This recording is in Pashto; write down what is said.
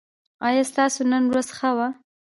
ایا ستاسو نن ورځ ښه وه؟